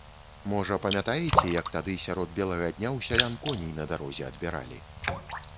Можа, памятаеце, як тады сярод белага дня ў сялян коней на дарозе адбіралі.